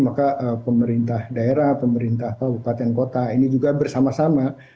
maka pemerintah daerah pemerintah kabupaten kota ini juga bersama sama